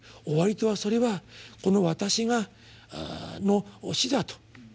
終わりとはそれはこの「私の死」だと。